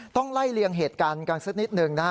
ต้องไล่เลี่ยงเหตุการณ์กันสักนิดหนึ่งนะฮะ